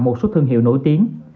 một số thương hiệu nổi tiếng